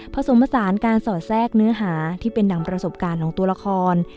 ผสมผสานการสอดแทรกเนื้อหาที่เป็นดังประสบการณ์ของตัวละคร